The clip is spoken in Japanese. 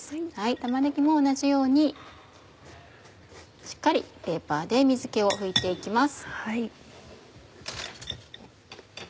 玉ねぎも同じようにしっかりペーパーで水気を拭いて行きます。